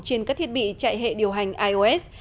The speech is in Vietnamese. trên các thiết bị chạy hệ điều hành ios